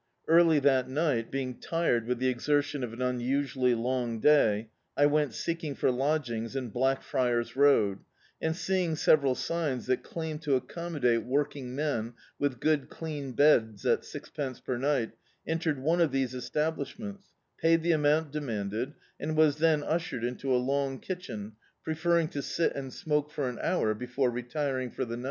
Early that ni^t, being tired with the exertion of an un usually long day, I went seeking for lodgings in Blackfriars Road, and, seeing several signs that claimed to acccnnmodate working men with good clean beds at sixpence per nt^t, entered one of these establishments, paid the amount demanded, and was then ushered into a long kitchen, preferring to stt and smoke for an hour before retiring for the ni^L D,i.